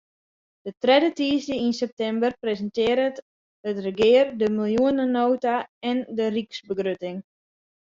De tredde tiisdeis yn septimber presintearret it regear de miljoenenota en de ryksbegrutting.